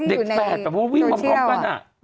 เด็กแสดวิ่งมาพร้อมกันอ่ะ